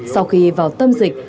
sau khi vào tâm dịch